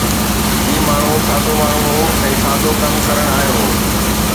هي ماڻهو سادو ماڻهو هو ۽ سادو ڪم ڪرڻ آيو هو